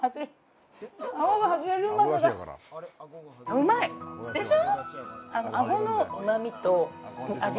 うまい！でしょ？